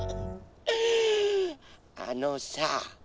あのさ